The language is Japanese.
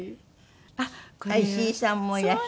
あっ石井さんもいらっしゃる。